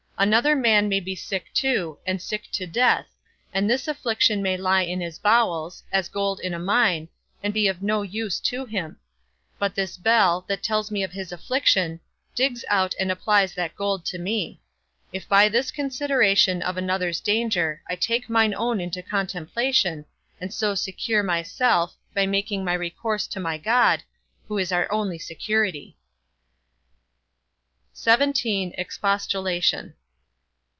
Another man may be sick too, and sick to death, and this affliction may lie in his bowels, as gold in a mine, and be of no use to him; but this bell, that tells me of his affliction, digs out and applies that gold to me: if by this consideration of another's danger I take mine own into contemplation, and so secure myself, by making my recourse to my God, who is our only security. XVII. EXPOSTULATION.